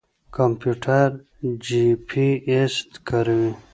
کمپيوټر جيپي اېس کاروي.